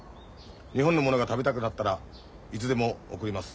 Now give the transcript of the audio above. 日本のものが食べたくなったらいつでも送ります。